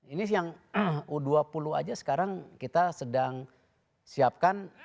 ini yang u dua puluh aja sekarang kita sedang siapkan